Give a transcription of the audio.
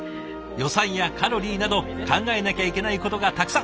予算やカロリーなど考えなきゃいけないことがたくさん。